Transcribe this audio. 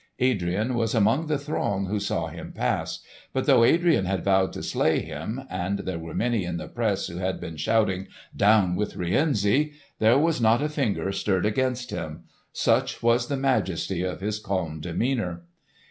Adrian was among the throng who saw him pass; but though Adrian had vowed to slay him, and there were many in the press who had been shouting "Down with Rienzi!" there was not a finger stirred against him—such was the majesty of his calm demeanour.